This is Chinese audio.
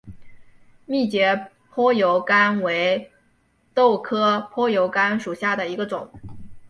密节坡油甘为豆科坡油甘属下的一个种。